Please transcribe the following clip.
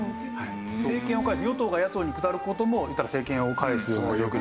政権を返す与党が野党に下る事も言ったら政権を返すような状態。